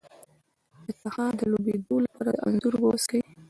د تخه د لوییدو لپاره د انځر اوبه وڅښئ